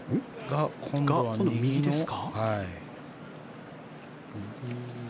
今度は右ですか？